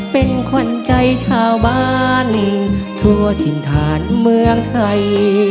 เป็นขวัญใจชาวบ้านทั่วถิ่นฐานเมืองไทย